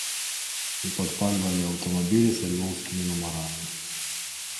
І падпальвалі аўтамабілі са львоўскімі нумарамі.